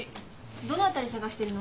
どの辺り探してるの？